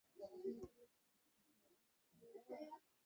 নমষ্কার, by.